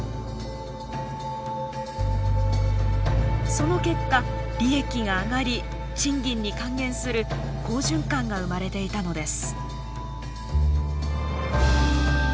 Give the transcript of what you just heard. その結果利益が上がり賃金に還元する好循環が生まれていたのです。